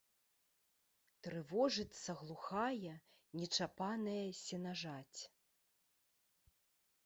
Трывожыцца глухая нечапаная сенажаць.